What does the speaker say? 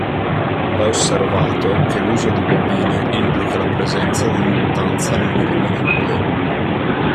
Va osservato che l'uso di bobine implica la presenza di induttanza non eliminabile.